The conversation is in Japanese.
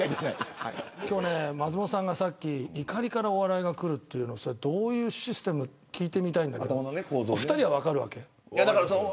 松本さんがさっき怒りからお笑いがくるってどういうシステムか聞いてみたいんだけど２人は分かるわけ。